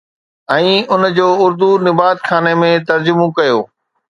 ۽ ان جو اردو نباتخاني ۾ ترجمو ڪيو